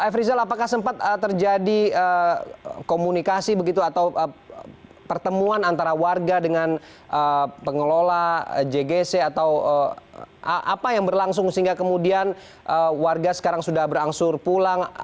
f rizal apakah sempat terjadi komunikasi begitu atau pertemuan antara warga dengan pengelola jgc atau apa yang berlangsung sehingga kemudian warga sekarang sudah berangsur pulang